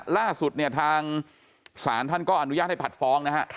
ล่าสุดทางศาลท่านก็อนุญาตให้ผัดฟ้อง